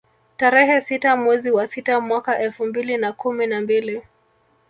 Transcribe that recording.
Tarehe sita mwezi wa sita mwaka elfu mbili na kumi na mbili